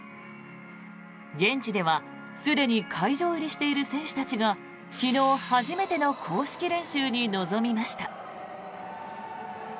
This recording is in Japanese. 現地では、すでに会場入りしている選手たちが昨日初めての公式練習に臨みました。